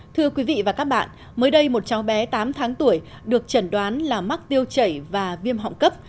thưa quý vị và các bạn mới đây một cháu bé tám tháng tuổi được chẩn đoán là mắc tiêu chảy và viêm họng cấp